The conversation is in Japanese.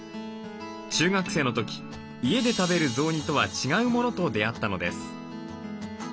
中学生の時家で食べる雑煮とは違うものと出会ったのです。